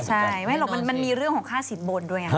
ใช่ไม่หรอกมันมีเรื่องของค่าสินบนด้วยไง